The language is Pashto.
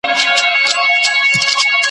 زه یم که مي نوم دی که هستي ده سره مله به یو ,